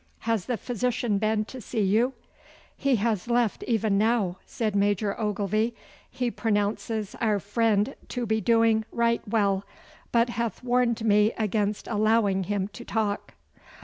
Has the physician been to see you?' 'He has left even now,' said Major Ogilvy. 'He pronounces our friend to be doing right well, but hath warned me against allowing him to talk.